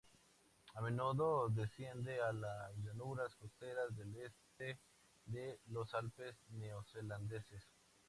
A menudo desciende a las llanuras costeras del oeste de los Alpes Neozelandeses.